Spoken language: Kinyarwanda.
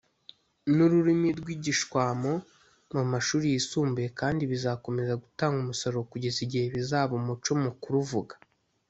Ni ururimi rwigishwamo mu mashuri yisumbuye kandi bizakomeza gutanga umusaruro kugeza igihe bizaba umuco mu kuruvuga.